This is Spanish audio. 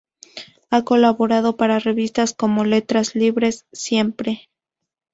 Ha colaborado para revistas como "Letras Libres", "Siempre!